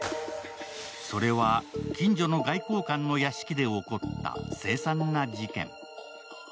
それは、近所の外交官の屋敷で起こった凄惨な事件。